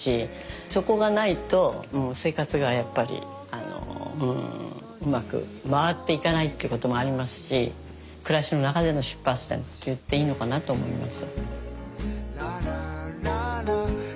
そこがないと生活がうまく回っていかないっていうこともありますし暮らしの中での出発点って言っていいのかなと思います。